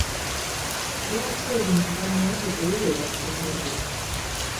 Lwaki ebintu bange tebiwera bulungi?